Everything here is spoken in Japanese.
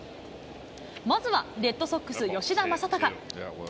まずは、レッドソックス、吉田正尚。